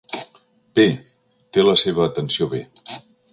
Bé, té la seva atenció bé.